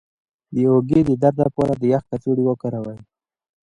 د اوږې د درد لپاره د یخ کڅوړه وکاروئ